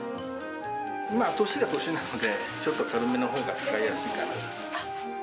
まあ、年が年なので、ちょっと軽めのほうが使いやすいかなと。